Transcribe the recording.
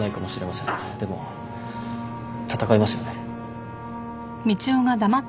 でも戦いますよね。